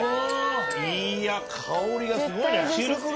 いや香りがすごいね。